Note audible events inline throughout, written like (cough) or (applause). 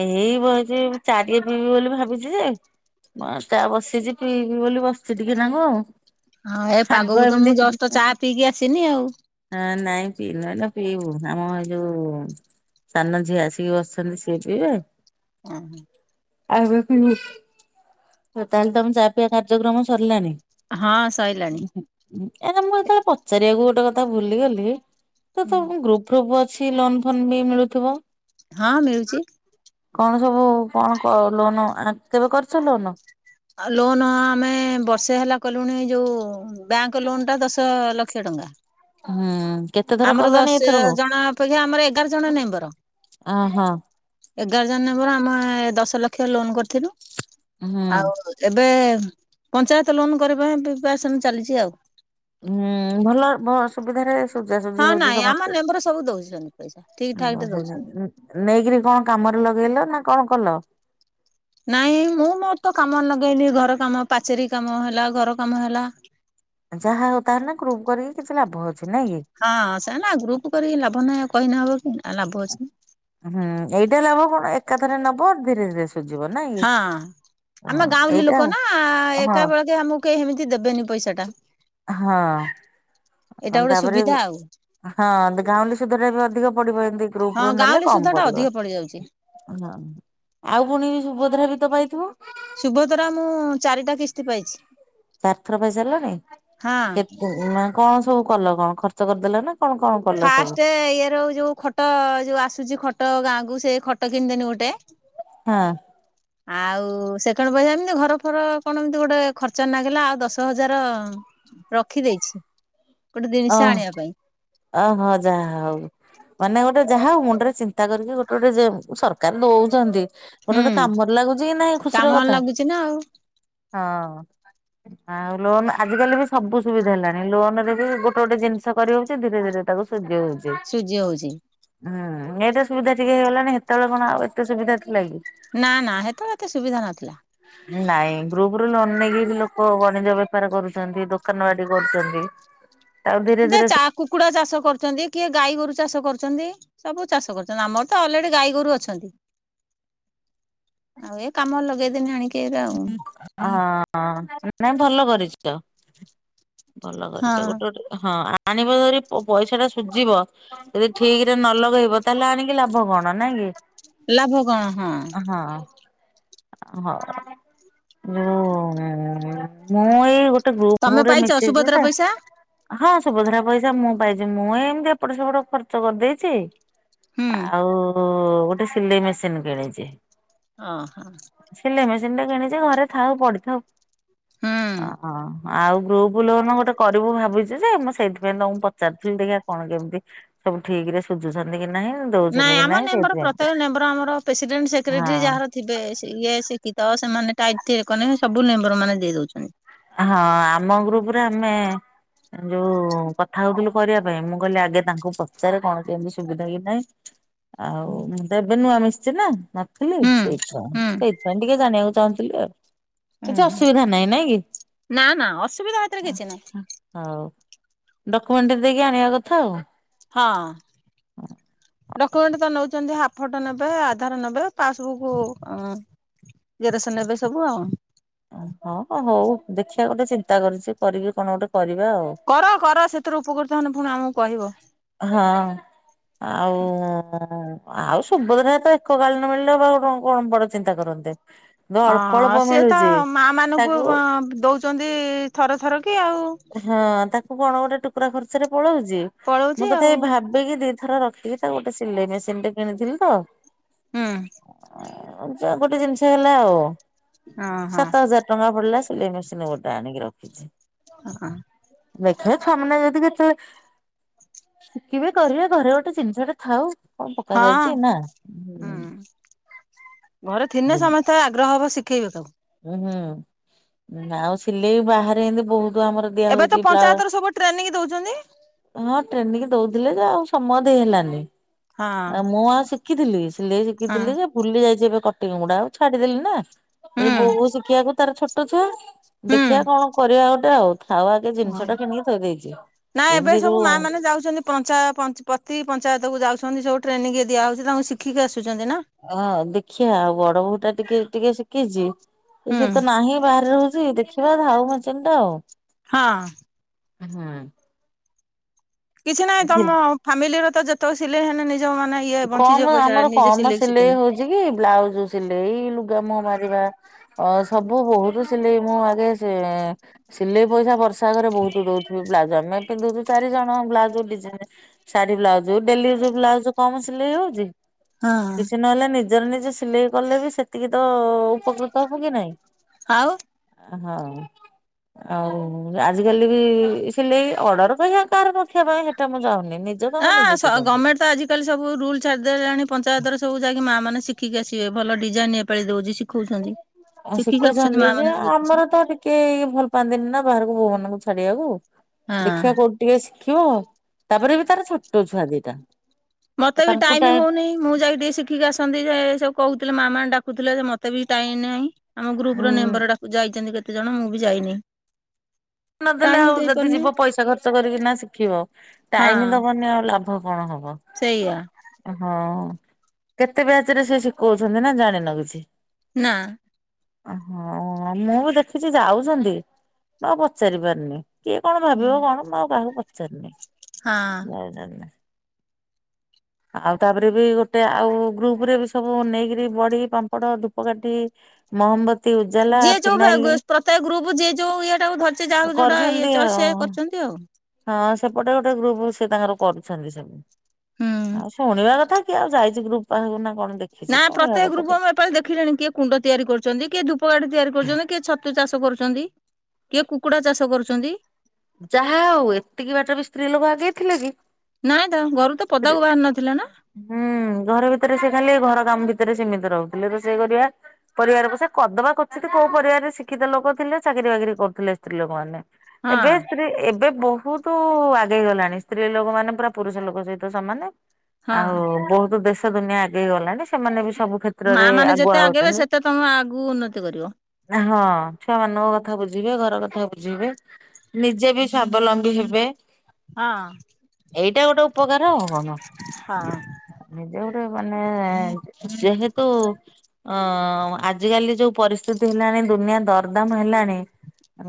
ଏଇ ବଇଚି ଚା ଟିଏ ପିଇବି ବୋଲି ଭାବୁଚି ଯେ,। ଚା ବସିଚି ପିଇବି ବଲି ବସ୍ଚି ଟିକେନାକୁ ଆଉ। ହଁ ଏ ଆଗ ପାଗକୁ ତ ମୁଁ ଏମିତି ଜଷ୍ଟ ଚା ପିଇକି ଆସିନି ଆଉ ନାଁ ନାଇଁ ପିଇନୁ ଏଇନା ପିଇବୁ ଆମ ଏଇ ଯୋଉ ସାନ ଝିଅ ଆସି ଟିକେ ବସଛନ୍ତି ସିଏ ପିଇବେ ଆଜ୍ଞା ଆବେ ପିଇବୁ ତାହେଲେ ତମ ଚା ପିଆ କାର୍ଯ୍ୟକ୍ରମ ସରିଲାଣି ହଁ ସଇଲାଣି ଏ ତମକୁ ସେତେବେଳେ ପଚାରିଆକୁ ଗୋଟେ କଥା ବୁଲିଗଲି ତ ତମ ଗ୍ରୁପ୍ ପ୍ରୁଫ୍ ଅଛି ଲୋନ୍‌ ଫୋନ୍ ବି ମିଳୁଥିବ ହିଁ ମିଳୁଛୁ କଣ ସବୁ କଣ କ ଲୋନ୍ କେବେ କରିଛ ଲୋନ୍ ଲୋନ୍ ଆମେ ବର୍ଷେ ହେଲା କଲୁଣି ଏ ଯୋଉ ବ୍ୟାଙ୍କ୍ ଲୋନ୍ ଟା ଦଶ ଲକ୍ଷ ଟଙ୍କା ହୁଁ କେତେ ଥର ଆମର କଲଣି ଦଶ ଏଥରକୁ ଜଣ ଅପେକ୍ଷା ଆମର ଏଗାର ଜଣ ନେମ୍ବର ଅହଁ ଏଗାର ଜଣ‌ ନେମ୍ବର ଆମେ ଦଶ ଲକ୍ଷ ଲୋନ୍‌ କରିଥିଲୁ ହୁଁ। ଆଉ ଏବେ ପଞ୍ଚାୟତ ଲୋନ୍ କରିବା ପାଇଁ ପିପାରେସନ୍ ଚାଲିଛି ଆଉ ହୁଁ ଭଲ ସୁବିଧାରେ ସୁଜାସୁଜି ହଁ ହେଉଛି ନାଇଁ ଆମ ସମସ୍ତେ ମେମ୍ବର ସବୁ ଦଉଛନ୍ତି ପଇସା ଠିକ ଠାକ ରେ ଦଉଛନ୍ତି। ନେଇକି କଣ କାମରେ ଲଗେଇଲ ନା କଣ କଲ ନାଇଁ ମୁଁ ମୋର ତ କାମ ଲଗେଇଲିି ଘର କାମ ପାଚେରୀ କାମ ହେଲା ଘର କାମ ହେଲା ଯାହା ହଉ ତାହେଲେ ଗ୍ରୁପ୍ କରିକି କିଛି ଲାଭ ଅଛି ନାଇଁ କି? ହଁ ସେ ଗ୍ରୁପ୍ କରିକି ଲାଭ ନାହିଁ କହିନେ ହବ କି ଲାଭ ଅଛି ହୁଁ ଏଇଟା ଲାଭ କଣ ଏକାଥରେ ନବ ଧୀରେ ଧୀରେ ସୁଜିବ ହଁ ଆମ ଗାଉଁଲି ଏଇଟା ଲୋକ ନା ହଁ ଏକା ବେଳକେ ଆମକୁ କେହି ଏମିତି ଦେବେନି ପଇସା ଟା ହଁ ଏଇଟା ଗୋଟେ ତାପରେ ସୁବିଧା ଆଉ ହଁ ଗାଉଁଲି ସୁଧା ଟା ବି ଅଧିକ ପଡ଼ିବ ଏମତି ଗ୍ରୁପ୍ ହଁ ନେଲେ ଗାଉଁଲି ସୁଧ କମ୍ ଟା ପଡ଼ିବ ଅଧିକ ପଡିଯାଉଛି। ଆଉ ପୁଣି ସୁଭଦ୍ରା ବି ତ ପାଇଥିବ ଶୁଭଦ୍ରା ମୁଁ ଚାରିଟା କିସ୍ତି ପାଇଛି ଚାରିଥର ପାଇସାରିଲଣି ହଁ। କେତେ ନା କଣ ସବୁ କଲ କଣ ଖର୍ଚ୍ଚ କରିଦେଲ ନା କଣ କଲ ସବୁ ଫାଷ୍ଟେ ଇଏର ଯୋଉ ଖଟ ଯୋଉ ଆସୁଛି ଖଟ ଗାଁକୁ ସେ ଖଟ କିଣିଦେଲି ଗୋଟେ ହଁ ଆଉ ସେକେଣ୍ଡେ ପଇସା ଏମିତି ଘର ଫର କଣ ଏମିତି ଗୋଟେ ଖର୍ଚ୍ଚ ନାଗିଲା ଆଉ ଦଶ ହଜାର ରଖିଦେଇଛି ଗୋଟେ ଓ ଜିନିଷ ଆଣିବା ପାଇଁ ଓହୋ ଯାହା ହଉ ମାନେ ଗୋଟେ ଯାହା ହଉ ମୁଣ୍ଡରେ ଚିନ୍ତା କରିକି ଗୋଟେ ଗୋଟେ ସରକାର ଦଉଛନ୍ତି ଗୋଟେ ଗୋଟେ ହୁଁ କାମରେ ଲାଗୁଛି କି ନାହିଁ କାମ ଖୁସିର କଥା ଲାଗୁଛି ନା ଆଉ। ହଁ ଆଉ ଲୋନ୍ ଆଜିକାଲି ବି ସବୁ ସୁବିଧା ହେଲାଣି ଲୋନ୍ ରେ ବି ଗୋଟେ ଗୋଟେ ଜିନିଷ କରିବ ଧୀରେ ଧୀରେ ତାକୁ ଶୁଜି ହେଉଛି ସୁଜି ହେଉଛି ହୁଁ ଏଇଟା ସୁବିଧା ଠିକେ ହେଇଗଲାଣି ସେତେବେଳେ କଣ ଆଉ ଏତେ ସୁବିଧା ଥିଲା କି ନା ନା ସେତେବେଳେ ଏତେ ସୁବିଧା ନଥିଲା ନାଇଁ ଗ୍ରୁପ୍ ରୁ ଲୋନ୍ ନେଇକି ଲୋକ ବଣିଜ ବେପାର କରୁଛନ୍ତି ଦୋକାନ ବାଡ଼ି କରୁଛନ୍ତି ଆଉ ଧୀରେ ଧୀରେ କୁକୁଡ଼ା ଚାଷ କରୁଛନ୍ତି କିଏ ଗାଈ ଗୋରୁ ଚାଷ କରୁଛନ୍ତି ସବୁ ଚାଷ କରୁଛନ୍ତି ଆମର ତ ଅଲରେଡି ଗାଈ ଗୋରୁ ଅଛନ୍ତି। (unintelligible) ଆଉ ଏ କାମ ଲଗେଇଦେନି ଆଣିକି ଏ ରା ଆଉ। ହଁ ନାଇଁ ଭଲ କରିଛ ଆ ଭଲ କରିଛ ହଁ ଗୋଟେ ଗୋଟେ ହଁ ଆଣିବ ଯଦି ପଇସା ଟା ସୁଝିବ। ଯଦି ଠିକ ରେ ନ ଲଗେଇବ ତାହେଲେ ଆଣିକି ଲାଭ କଣ ନାଇଁ କି? ଲାଭ କଣ ହଁ। ହଁ। ହ ମୁଁ ମୁ ଇ ଗୋ ଗୋଟେ ତମେ ଗ୍ରୁପ ରେ ପାଇଛ ମିଶିଯି ସୁଭଦ୍ରା ଯେ ପଇସା ହଁ ସୁଭଦ୍ରା ପଇସା ମୁଁ ପାଇଛି ମୁଁଁ ଏମିତି ଏପଟେ ସେପଟ ଖର୍ଚ୍ଚ କରିଦେଇଛି। ହୁଁ। ଆଉ ଗୋଟେ ସିଲେଇ ମେସିନ୍ କିଣିଛି। ଅ ସିଲେଇ ମେସିନି ଟେ କିଣିଚି ଘରେ ଥାଉ ପଡିଥାଉ ଅ ହୁଁ। ହଁ। ଆଉ ଗ୍ରୁପ ଲୋନ ଗୋଟେ କରିବୁ ଭାବିଚୁ ଯେ ମୁଁ ସେଇଥିପାଇଁ ତମ ପଚାରିଥିଲି ଦେଖିଆ କଣ କେମିତି ସବୁ ଠିକ ରେ ସୁଜୁଛନ୍ତି କି ନାହିଁ। ନାଇଁ ଦଉଛନ୍ତି କି ଆମ ନାହିଁ ମେମ୍ବର ପ୍ରତ୍ୟେକ ସେଇଥିପାଇଁ ମେମ୍ବର ଆମର ପ୍ରେସିଡେଣ୍ଟ ହଁ ସେକ୍ରେଟାରୀ ଯାହାର ଥେ ସେ ଇଏ ଶିକ୍ଷିତ ତ ସେମାନେ ଟାଇଟ୍ (unintelligible) ସବୁ ମେମ୍ବର ମାନେ ଦେଇ ଦଉଛନ୍ତି। ହଁ ଆମ ଗ୍ରୁପରେ ଆମେ ଯୋଉ କଥା ହଉଥିଲୁ କରିବା ପାଇଁ ମୁଁ କହିଲି ଆଗେ ତାଙ୍କୁ ପଚାରେ କଣ କେମିତି ସୁବିଧା କି ନାହିଁ। ଆଉ ହୁଁ ମୁଁ ତ ଏବେ ନୂଆ ମିଶଛି ନା ମ ଥିଲି ସେଇପାଇଁ ହୁଁ ସେଇଥିପାଇଁ ଟିକେ ଜାଣିବାକୁ ଚାହୁଁଥିଲି ଆଉ। ହୁଁ କିଛି ହୁଁ ଅସୁବିଧା ନାହିଁ ନାଇଁ କି ନା ନା ଅସୁବିଧା ହେଥିରେ କିଛି ନାହିଁ ହଉ ଡକୁମେଣ୍ଟ ଦେଇକି ଆଣିବା କଥା ଆଉ। ହଁ। ଡକ୍ୟୁମେଣ୍ଟ ତ ନେଉଛନ୍ତି ହାଫ ଫଟୋ ନେବେ ଆଧାର ନେବେ ପାସବୁକ୍ ଆଁ ଜେରକ୍ସ ନେବେ ସବୁ ଆଉ। ଓ ହଁ ହଉ ଦେଖିବା ଗୋଟେ ଚିନ୍ତା କରିଛି କରିବି କଣ ଗୋଟେ କରିବା ଆଉ। କର କର ସେଥିରୁ ଉପକୃତ ହେଲେ ପୁଣି ଆମକୁ କହିବ। ହଁ ଆଉ ଆଉ ସୁଭଦ୍ରା ତ ଏକ କାଳୀନ ମିଳିଲେ ବା କଣ ବଡ ଚିନ୍ତା କରନ୍ତେ। ଅଳ୍ପ ଅଳ୍ପ ହଁ ସିଏ ତ ମିଳୁଛି ମା ମାନଙ୍କୁ ତାକୁ ଅ ଦଉଛନ୍ତି ଥର ଥର କି ଆଉ। ହଁ ତାକୁ କଣ ଗୋଟେ ଟୁକୁରା ଖର୍ଚ୍ଚରେ ପଳଉଛି। ମୁଁ ପଳଉଛି ତଥାପି ଆଉ ଭାବିକି ଦିଥର ରଖିକି ତାକୁ ଗୋଟେ ସିଲେଇ ମେସିନି ଟେ କିଣିଥିଲି ତ। ହୁଁ। ଗୋଟେ ଜିନିଷ ହେଲା ଆଉ ହଁ ହଁ ସାତ ହଜାର। ଟଙ୍କା ପଡିଲା ସିଲେଇ ମେସିନ ଗୋଟେ ଆଣିକି ରଖିଛି। ହୁଁ। ଦେଖିବା ଛୁଆ ମାନେ ଯଦି କେତେବେଳେ ଶିଖିବେ କରିବେ ଘରେ ଗୋଟେ ଜିନିଷ ଟେ ଥାଉ। କଣ ପକା ହଁ ଯାଉଛି ନା। ହୁଁ ଘରେ ଥିଲେ ସମସ୍ତେ (unintelligible) ଆଗ୍ରହ ହବ ଶୁଖିବେ। ଉ ହୁଁ ଆଉ ସିଲେଇ ବାହାରେ ଏମତି ବହୁତ ଆମର ଦିଆ ଏବେ ତ ହଉଛି ବ୍ଲା ପଞ୍ଚାୟତ ର ସବୁ ଟ୍ରେନିଂ ଦଉଛନ୍ତି। ହଁ ଟ୍ରେନିଂ ଦୋଉଥିଲେ ଯେ ଆଉ ସମୟ ଦେଇ ହେଲାନି। ହଁ ଆ ମୁଁ ଆଉ ଶିଖିଥିଲି ସିଲେଇ ହଁ ଶିଖିଥିଲି ଯେ ଭୁଲି ଯାଇଚି ଏବେ କଟିଙ୍ଗି ମୁଡା ଆଉ ଛାଡିଦେଲି ନା ଏଇ ହୁଁ ବୋହୁ ଶିଖିଆକୁ ତାର ଛୋଟ ଛୁଆ, ଦେଖିଆ କଣ କରିଆ ଗୋଟେ ଆଉ? ଆଉ ଆଗେ ହୁଁ ଜିନିଷ ଟା କିଣିକି ଥୋଇ ଦେଇଚି। ଏନତି ଯୋଉଁ ପଞ୍ଚାୟ ପଞ୍ଚ୍ ପତି ପଞ୍ଚାୟତକୁ ଯାଉଛନ୍ତି ସବୁ ଟ୍ରେନିଂ ଦିଆ ହୋଉଚି ତାଙ୍କୁ ଶିଖିକି ଆସୁଚନ୍ତି ନା। ହଁ, ଦେଖିଆ ଆଉ ବଡ ବୋହୁଟା ଟିକେ ଟିକେ ଶିଖିଚି। ହୁଁ ସିଏ ତ ନାହିଁ ବାହାରେ ରୋହୁଛି ଦେଖିବା ଧାଉ ମେସିନ୍ ଟା ଆଉ। ହଁଅଁ। ହୁଁଉଁ। କିଛି ନାଇଁ ତମ ଫାମିଲିର ତ ଯେତେକ ସିଲେଇ ହେନେ ନିଜ ମାନେ ଇଏ ବଞ୍ଚିଯିବ ପଇସାଟା ନିଜେ ସିଲେଇ ଶିକିିନେ। ଯିଏକି ବ୍ଲାଉଜୁ ସିଲେଇ ଲୁଗାମୁହଁ ମାରିବା। ଅ ସବୁ ବୋହୁତୁ ସିଲେଇ ମୁଁ ମାରି ଆସେ। ଏଏଁ ସିଲେଇ ପଇସା ବର୍ଷା ଘରେ ବୋହୁତୁ ଦୋଉଥିବି। ବ୍ଲାଉଜ୍ ଆମେ ପିନ୍ଧୁଚୁ ଚାରି ଜଣ ବ୍ଲାଉଜ଼ ଡିଜାଇନ୍ ଶାରୀ, ବ୍ଲାଉଜୁ ଡେଲି ଯୋଉ ବ୍ଲାଉଜୁ କମ ସିଲେଇ ହୋଉଚି ହଁ କିଛି ନହେଲେ ନି ନିଜର ନିଜେ ସିଲେଇ କଲେ ବି ସେତିକି ତ ଅ ଅ ଉପକୃତ ହବୁ କି ନାଇଁ। ଆଉ। ଆ ହଁଅଁ ଉମ୍, ଆଁ ଆଉ ଉ ଆଜିକାଲି ବି ଇ ସିଲେଇ ଅଡର ପେଇଁହା କାହାର ରଖିଆ ପାଇଁ ହେଟା ମୁଁ ଚାହୁଁନି। ନିଜ କାମ ଆଁ ନିଜେ ସ ଶିଖନ୍ତି। ଗମେଣ୍ଟ ତ ଆଜିକାଲି ସବୁ ରୁଲ୍ ଛାଡି ଦେଲାଣି ପଞ୍ଚାୟତରେ ସବୁ ଯାଇକି ମା ମାନେ ଶି ଖିକି ଆସିବେ। ଭଲ ଡିଜାଇନ୍ ଏପାଳି ଦୋଉଚି ଶିଖୋଉଛନ୍ତି। ଆଉ ଶିଖୁଛନ୍ତି ଯେ ଆମର ତ ଟି କେ ଭଲ୍ ପାଆନ୍ତିନି ନା ବାହାରୁକୁ ବୋହୁ ମାନୁଙ୍କୁ ଛାଡିଆକୁ। ହଁ। ଦେଖିଆ କୋଉ ଟିକେ ଶିଖିମୁ? ତାପରେ ବି ତାର ଛୋଟ ଛୁଆ ଦିଟା। ମତେ ବି ତାଙ୍କୁ ଟାଇମି ଟାଇ ହୋଉନେଇଁ। ମୁଁ ଯାଇ ଟିକେ ଶିଖିକି ଆସନ୍ତି ଯେ ସେ କୋହୁଥିଲେ ମା ମାଁ ଡାକୁଥିଲେ ଯେ ମତେ ବି ଟାଇନ୍ ନାହିଁ। ଆମ ଗ୍ରୁପ୍ ଉଁ ର ନେମ୍ବର ଡାକୁ ଯାଇଚନ୍ତି କେତେ ଜଣ? ମୁଁ ବି ଯାଇନି। ଟାଇମ ନଦେଲେ ହିଁ ଆଉ ଯଦି ଦେଇପାରୁନି ଯିବ ପଇସା ଖର୍ଚ୍ଚ କରିକି ନା ଶିଖିବ ଟାଇମି ହଁ। ଦବନି ଆଉ ଲା ଭ କଣ ହବ। ସେଇଆ ହଁଅ, କେତେ ବ୍ୟାଚ୍ ରେ ସେ ଶିଖୋଉଛନ୍ତି? ନା ଜାଣିନ କିଛି। ନାଁ। ହଁଅଁ ମୁଁ ବି ଦେଖିଛି ଯାଉଛନ୍ତି, ଆଉ ପଚାରି ପାରନି। କିଏ କଣ ଭାବିବ କଣ ମୁଁ ଆଉ କାହାକୁ ପଚାରିନି? ହଁ ଜୟ ଜଗନ୍ନାଥ। ଆଉ ତାପେରେ ବି ଗୋଟେ ଆଉ ଗ୍ରୁପ୍ ରେ ବି ସବୁ ନେଇକିରି ବଢ଼ି, ପାମ୍ପଡ, ଧୂପକାଠି ମହମବତୀ ଉଜାଲା ଯିଏ ଯୋଉ ଭେ ଫିନାଇଲି ଗ୍ ପ୍ରତ୍ୟେକ୍ ଗ୍ରୁପ୍ ଯିଏ ଯୋଉ ଇଏଟାକୁ ଧରିଛେ, ଯାହାକୁ ଯୋଉଟା ଇଏ ଚଏସ୍ ସେଏ କରୁଚନ୍ତ। ନ୍ତି ଆଉ। ହଁଅଁ ସେପଟେ ଗୋଟେ ଗ୍ରୁପୁ ସେ ତାଙ୍କର କରୁଛନ୍ତି ସବୁ। ହୁଁ। ଆଉ ଶୁଣିବା କଥା କିଏ ଆଉ ଯାଇଚି ଗ୍ରୁପ୍ ପାଖୁକୁ ନା କଣ ଦେଖି? ନା ପ୍ରତ୍ୟେକ ଗ୍ରୁପୁ ମୁଁ ଏପାଳି ଦେଖିଲିଣି କିଏ କୁଣ୍ଡ ତିଆରି କରୁଚନ୍ତି କିଏ ଧୂପକାଠି ତିଆରି କରୁଚନ୍ତି କିଏ ଛତୁ ଚାଷ ଷ କରୁଚନ୍ତି କିଏ କୁକୁଡା ଚାଷ କରୁଚନ୍ତି। ଯାହା ହୋଉ ଏତିକି ବାଟବି ସ୍ତ୍ରୀ ଲୋକ ଆଗେଇ ଥିଲେ କି? ନାଇଁ ତ ଘରୁ ତ ପଦାକୁ ବାହାରୁ ନଥିଲେ ନା। ହୁଁଉଁ ଘର ଭିତେରେ ସେ ଖାଲି ଘର କାମ ଭିତେରେ ସିମିତି ରହୁଥିଲେ, ରୋସେଇ କରିବା। ପରିବାର ପୋସେ କଦବା କୋଚିତି କୋଉ ପରିବାରେରେ ଶିକ୍ଷିତ ଲୋକ ଥିଲେ ଚାକିରି ବାକିରି କରୁଥିଲେ ସ୍ତ୍ରୀ ଲୋକମାନେ। ହଁ ଏବେ ସ୍ତ୍ରୀ ଏବେ ବୋହୁତ୍ ନ୍ତୁ ଆଗେଇ ଗଲାଣି ସ୍ତ୍ରୀ ଲୋକ ମାନେ ପୁରା ପୁରୁଷ ଲୋକ ସହିତ ସମାନେ ଆଉ ହଁ। ବହୁତ ଦେଶ ଦେଶ ଦୁନିଆ ଆଗେଇ ଗଲାଣି ସେମାନେ ବି ସବୁ କ୍ଷେ ମା ମାନେ ଯେତେ ଆଗେଇବେ ସେତେ ତମେ ଆଗକୁ ଉନ୍ନତି କରିବ। ହଁ ଛୁଆ ମାନଙ୍କ କଥା ବୁଝିବେ, ଘର କଥା ବୁଝିବେ। ନିଜେ ବି ସାବଲମ୍ବୀ ହେବେ। ହଁ ଏଇଟା ଗୋଟେ ଉପକାର ଆଉ କଣ। ହଁ ନିଜେ ଗୋଟେ ମାନେ ଯେହେତୁ ଅ ଆଜିକାଲି ଯୋଉ ପରିସ୍ଥିତି ହେଲାଣି, ଦୁନିଆ ଦରଦାମ ହେଲାଣି।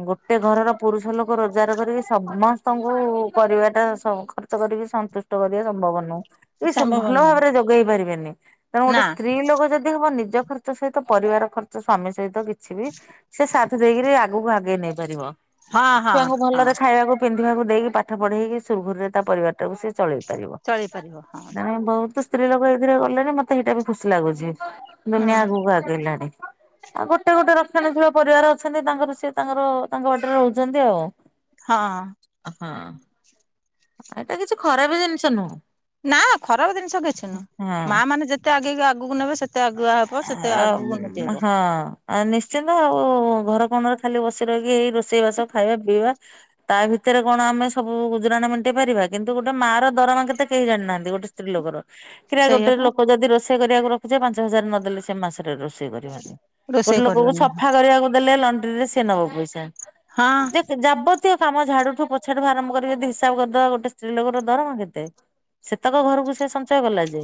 ଗୋଟେ ଘରର ପୁରୁଷ ଲୋକ ରୋଜଗାର କରିବେ ସମସ୍ତଙ୍କୁ ପରିବାରଟା ଖର୍ଚ୍ଚ କରିକି ସନ୍ତୁ ଷ୍ଟ କରିବା ସମ୍ଭବ ନୁ। ଏ ସୁ ସମ୍ଭବ ଭଲ ନୁହଁ ଭାବରେ ଯୋଗେଇ ପାରିବେନି ତେଣୁ ଗୋଟେ ନା ସ୍ତ୍ରୀ ଲୋକ ଯଦି ହବ ନିଜ ଖ ର୍ଚ୍ଚ ସହିତ ପରିବାର ଖର୍ଚ୍ଚ ସ୍ୱାମୀ ସହିତ କିଛି ବି ସେ ସାଥ ଦେଇକିରି ଆଗକୁ ଆଗେଇ ନେଇ ପାରିବ। ହଁ ହଁ ଛୁଆଙ୍କୁ ହଁ ଭଲରେ ଖାଇବାକୁ ପିନ୍ଧିବାକୁ ଦେଇକି ପାଠ ପଢ଼େଇକି ସୁରୁଖୁରୁରେ ତା ପରିବାରଟାକୁ ସେ ଚଳେଇ ପାରିବ। ଚଳିପାରିବ ହଁ ନାଇଁ ବହୁତୁ ସ୍ତ୍ରୀ ଲୋକ ଏଇଥିରେ ଗଲେନି ମତେ ଏଇଟା ବି ଖୁସି ଲାଗୁଛି ଦୁନିଆ ହୁଁ ଆଗକୁ ଆ ହେଲାଣି। ଆଉ ଗୋଟେ ଗୋଟେ ରକ୍ଷଣୀଶିଳ ପରିବାର ଅଛନ୍ତି ତାଙ୍କର ସିଏ ତାଙ୍କର ତାଙ୍କ ବାଟରେ ରହୁ ଛନ୍ତି ଆଉ। ହଁ। ହଁ। ଏଇଟା କିଛି ଖରାପ ଜିନିଷ ନୁହଁ ନା ଖରାପ ଜିନିଷ କିଛି ନୁହଁ। ମା ହଁ। ମାନେ ଯେତେ ଯେତେ ଆଗେଇକି ଆଗକୁ ନେବେ ସେତେ ଆଗୁଆ ସେତେ ଆଗକୁ ଉନ୍ନତି ଆମ୍ ହବ। ହଁ। ଆ ନିଶ୍ଚିନ୍ତ ଆଉ ଘର କୋଣରେ ଖାଲି ବସି ରହିକି ଏଇ ରୋଷେଇ ବାସ ଖାଇବା ପିଇବା ତା ଭିତରେ କଣ ଆମେ ସବୁ ଗୁଜୁରାଣ ମେଣ୍ଟେଇ ପାରିବା କିନ୍ତୁ ଗୋଟେ ମା ର ଦରମା କେତେ କେହି ଜାଣିନାହାନ୍ତି। ଗୋଟେ ସ୍ତ୍ରୀ ଲୋକର, କିରେ ସେଇଆ ଗୋଟେ ପା ଲୋକ ଯଦି ରୋଷେଇ କରିବାକୁ ରଖୁଛେ ପାଞ୍ଚ ହଜାର ନଦେଲେ ସେ ମାସରେ ରୋ ଷେଇ କରିବନି ଗୋଟେ ରୋଷେଇ ଲୋକକୁ କରିବନି ସଫା କରିବାକୁ ଦେଲେ ଲଣ୍ଡ୍ରି ରେ ସିଏ ନବ ପଇସା। ହଁ ଯେ ଯାବତୀୟ କାମ, ଝାଡୁଠୁ, ପୋଛା ଠୁ ଆରମ୍ଭ କରିକି ଯଦି ହିସାବ କରିଦବା ଗୋଟେ ସ୍ତ୍ରୀ ଲୋକର ଦରମା କେତେ? ସେତକ ଘରକୁ ସେ ସଞ୍ଚୟ କଲା ଯେ।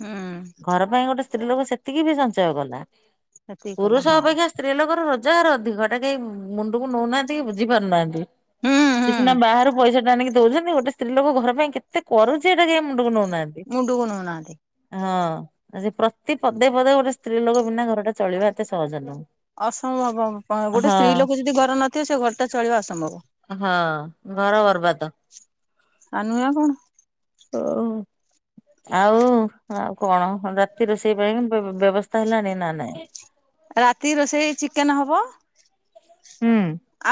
ହୁଁ। ଘର ପାଇଁ ଗୋଟେ ସ୍ତ୍ରୀ ଲୋକ ସେତିକି ବି ସଞ୍ଚୟ କଲା। ସେତିକି କଲା ପୁରୁଷ ହଁ ଅପେକ୍ଷା ସ୍ତ୍ରୀ ଲୋକର ରୋଜଗାର ଅଧିକ ଘଟା କେହି ମୁଣ୍ଡକୁ ନଉନାହାନ୍ତି କି ବୁଝି ପାରୁନାହାନ୍ତି। ହୁଁ ସେ ହୁଁ ସିନା ବାହାରୁ ପଇସା ଆଣିକି ଦଉଛନ୍ତି। ଗୋଟେ ସ୍ତ୍ରୀ ଲୋକ ଘର ପାଇଁ କେତେ କରୁଛି ଏଇଟା କେହି ମୁଣ୍ଡକୁ ନଉନାହାନ୍ତି। ମୁଣ୍ଡୁକୁ ନଉନାହାଁନ୍ତି। ହଁ ସେ ପ୍ରତି ପଦେ ପଦେ ଗୋଟେ ସ୍ତ୍ରୀ ଲୋକ ବିନା ଘରଟା ଚଳିବା ଏତେ ସହଜ ନୁହଁ। ଅସମ୍ଭବ ଗୋଟେ ହଁ ସ୍ତ୍ରୀ ଲୋକ ଯଦି ଘର ନଥିବ ସେ ଘରଟା ଚଳିବା ଅସମ୍ଭବ। ହଁ ଘର ବରବାଦ। ଆଉ ନୁହେଁ ଆଉ କଣ? ଓ ଆଉ ଆଉ କଣ? ରାତି ରୋଷେଇ ପାଇଁ ବେ -ବେବ ତ ହେଲାଣି ନା ନାହିଁ? ରାତି ରୋଷେଇ ଚିକେନ ହବ। ହୁଁ।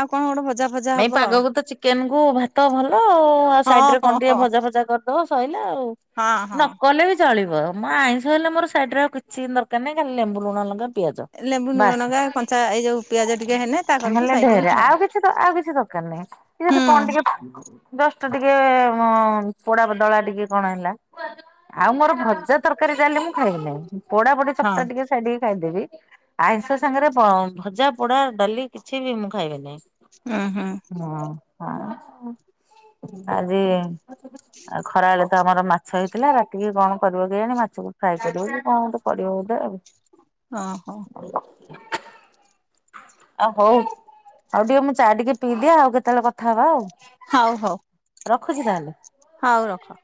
ଆଉ କଣ ଗୋଟେ ଭଜା ଫଜା ନାଇଁ ହବ ଆଉ। ପାଗକୁ ତ ଚିକେନ କୁ ଭାତ ଭଲ ଆଉ ହଁ ସାଇଡ ରେ ହଁ କଣ ଟିକେ ହଁ ଭଜା ଫଜା କରି ଦବ ସଇଲା ଆଉ ହଁ ହଁ ନକଲେବି ଚଳିବ ମୋ ଆଇଁଷ ହେଲେ ମୋର ସାଇଡ ରେ ଆଉ କିଛି ଦରକାର ନାହିଁଲ ଖାଲି ଲେମ୍ବୁ, ଲୁଣ, ଲଙ୍କା ପିଆଜ ଲେମ୍ବୁ ଲୁଣ ବାସ୍ ଲଙ୍କା କଞ୍ଚା ଏଇ ଯୋଉ ପିଆଜ ଟିକେ ହେଲେ ତା କରକୁ ହେଲେ ସାଇଟିକି ଢେରେ ଖାଉ ଆଉ କିଛି ଆଉ କିଛି ଦରକାର ନାହିଁ। କି ଯଦି କଣ ହୁଁ ଟିକେ ଜଷ୍ଟ ଟିକେ ପୋଡ଼ା ଦଳା ଟିକେ କଣ ହେଲା? ଆଉ ମୋର ଭଜା ତରକାରୀ ଡାଲି ମୁଁ ଖାଇବି ନାହିଁ। ପୋଡ଼ା ପୋଡ଼ି ହଁ ଚକଟା ଟିକେ ଛାଡିକି ଖାଇଦେବି। ଆଇଁଷ ସାଙ୍ଗରେ ଭଜା, ପୋଡ଼ା, ଡାଲି କିଛିବି ମୁଁ ଖାଇବିନାଇଁ। ଉହୁଁ। ହଁ ହ ଆଜି ଖରାବେଳେ ତ ଆମର ମାଛ ହେଇଥିଲା। ରାତିକି କଣ କରିବ କେଜାଣି ମାଛକୁ ଫ୍ରାଏ କରିବ କି କଣ ଗୋଟେ କରିବ ବୋଧେ ଆଉ? ଅହୋ। ଆଉ ହଉ ଆଉ ଟିକେ ମୁଁ ଚା ଟିକେ ପିଇଦିଏ ଆଉ କେତେବେଳେ କଥାହେବା ଆଉ। ହଉ ହଉ। ରଖୁଛି ତାହେଲେ? ହଉ ରଖ।